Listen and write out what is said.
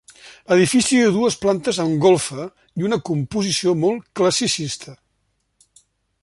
Edifici de dues plantes amb golfa i una composició molt classicista.